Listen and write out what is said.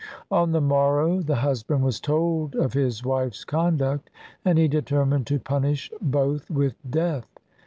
On the morrow the husband was told of his wife's conduct, and he determined to punish both with death.